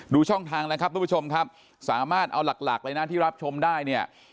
ช่องทางนะครับทุกผู้ชมครับสามารถเอาหลักเลยนะที่รับชมได้เนี่ย